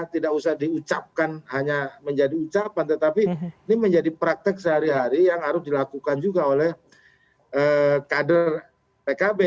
tidak usah diucapkan hanya menjadi ucapan tetapi ini menjadi praktek sehari hari yang harus dilakukan juga oleh kader pkb